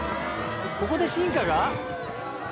ここで進化が！？